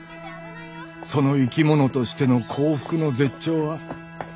その生き物としての幸福の絶頂は。